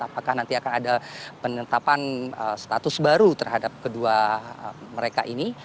apakah nanti akan ada penetapan status baru terhadap kedua mereka ini